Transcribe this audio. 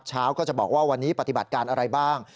เช้าก็จะบอกว่าวันนี้ปฏิบัติการอะไรบ้าง